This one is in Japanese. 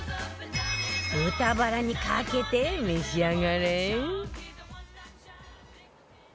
豚バラにかけて召し上がれ